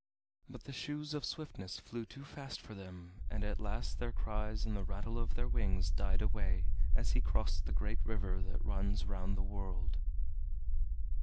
But the Shoes of Swiftness flew too fast for them, and at last their cries and the rattle of their wings died away as he crossed the great river that runs round the world.